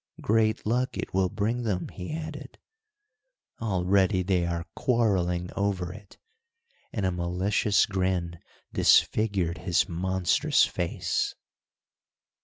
"Great luck it will bring them," he added. "Already they are quarreling over it," and a malicious grin disfigured his monstrous face.